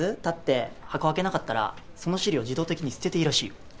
たって箱開けなかったらその資料自動的に捨てていいらしいよ。